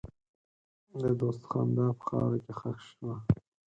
د دوست خندا په خاوره کې ښخ شوه.